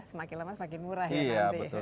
semakin lama semakin murah ya nanti